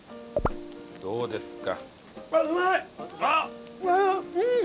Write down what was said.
どうですか？